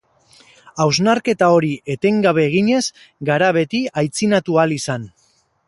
Hausnarketa hori etengabe eginez gara beti aitzinatu ahal izan.